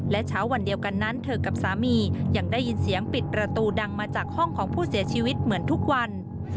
และเช้าวันเดียวกันนั้นเธอกับสามียังได้ยินเสียงปิดประตูดังมาจากห้องของผู้เสียชีวิตเหมือนทุกวัน